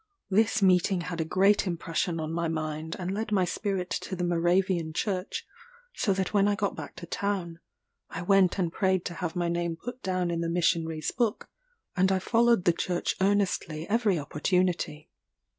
This meeting had a great impression on my mind, and led my spirit to the Moravian church; so that when I got back to town, I went and prayed to have my name put down in the Missionaries' book; and I followed the church earnestly every opportunity.